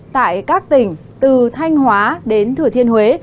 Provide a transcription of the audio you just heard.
tại các tỉnh từ thanh hóa đến thừa thiên huế